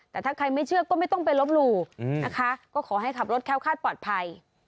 แต่ถ้าใครไม่เชื่อก็ไม่ต้องไปลบหลู่นะคะก็ขอให้ขับรถแค้วคาดปลอดภัย